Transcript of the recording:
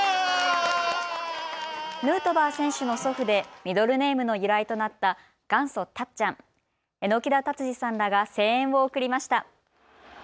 ヌートバー選手の祖父でミドルネームの由来となった元祖たっちゃん、榎田達治さんらが声援を送りました。